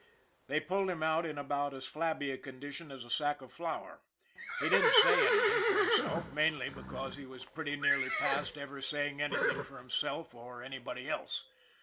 They pulled him out in about as flabby a condition as a sack of flour. He didn't say anything for himself mainly because he was pretty nearly past ever saying anything for himself or any body else.